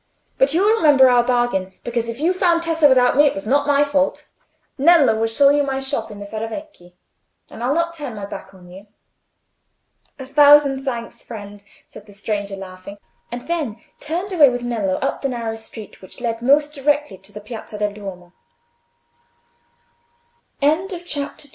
But you'll remember our bargain, because if you found Tessa without me, it was not my fault. Nello will show you my shop in the Ferravecchi, and I'll not turn my back on you." "A thousand thanks, friend!" said the stranger, laughing, and then turned away with Nello up the narrow street which led most directly to the